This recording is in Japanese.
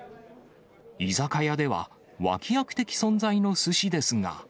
居酒屋では、脇役的存在のすしですが。